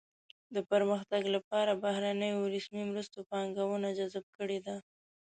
د پرمختګ لپاره بهرنیو رسمي مرستو پانګونه جذب کړې ده.